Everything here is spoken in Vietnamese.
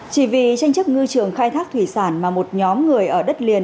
chỉ vì tranh chấp ngư trường khai thác thủy sản mà một nhóm người ở đất liền